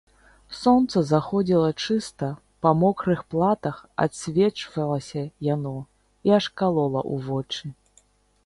Сонца заходзіла чыста, па мокрых платах адсвечвалася яно і аж калола ў вочы.